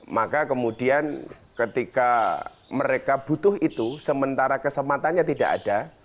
maka kemudian ketika mereka butuh itu sementara kesempatannya tidak ada